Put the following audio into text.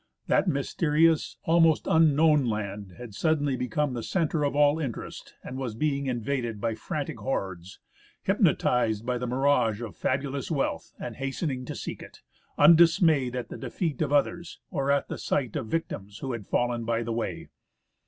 That mysterious, almost unknown land had sud denly become the centre SITKA BAY. of all interest and was being invaded by frantic hordes, hypnotised by the mirage of fabulous wealth and hastening to seek it, undismayed at the defeat of others, or at the sight of victims who had fallen by the way.